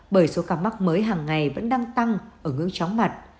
bởi số ca mắc mới hàng ngày vẫn đang tăng ở ngưỡng chóng mặt